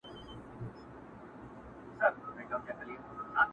وني وویل پر ملا ځکه ماتېږم!.